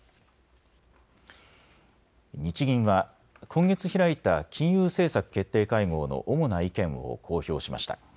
日銀は今月開いた金融政策決定会合の主な意見を公表しました。